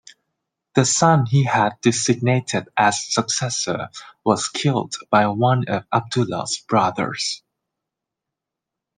The son he had designated as successor was killed by one of Abdullah's brothers.